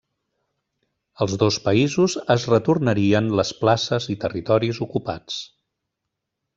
Els dos països es retornarien les places i territoris ocupats.